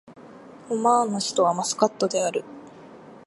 オマーンの首都はマスカットである